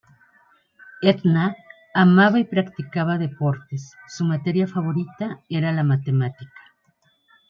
Edna amaba y practicaba deportes, su materia favorita era la matemática.